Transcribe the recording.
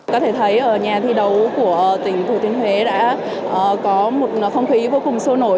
có thể thấy ở nhà thi đấu của tỉnh thừa thiên huế đã có một không khí vô cùng sôi nổi